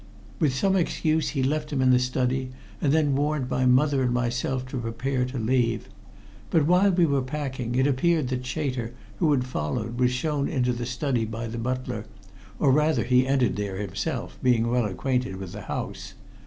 "With some excuse he left him in the study, and then warned my mother and myself to prepare to leave. But while we were packing, it appeared that Chater, who had followed, was shown into the study by the butler, or rather he entered there himself, being well acquainted with the house.